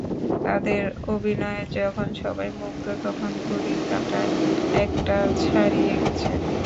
তাঁদের অভিনয়ে যখন সবাই মুগ্ধ, তখন ঘড়ির কাঁটা একটা ছাড়িয়ে গেছে।